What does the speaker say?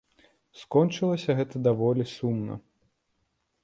Скончылася гэта даволі сумна.